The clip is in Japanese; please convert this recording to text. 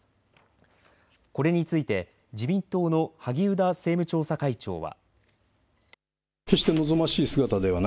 これについて自民党の萩生田政務調査会長は。